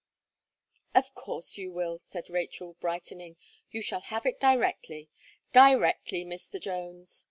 "Of course you will," said Rachel, brightening, "you shall have it directly directly, Mr. Jones."